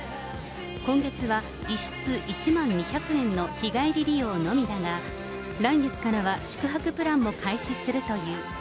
今月は１室１万２００円の日帰り利用のみだが、来月からは宿泊プランも開始するという。